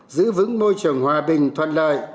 giữ vững môi trường hòa bình thuận lợi